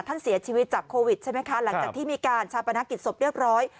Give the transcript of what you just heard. ท่านเสียชีวิตจากโควิดใช่ไหมคะหลังจากที่มีการชาปนกิจศพเรียบร้อย